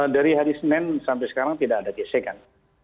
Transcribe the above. dari hari senin sampai sekarang tidak ada gesekan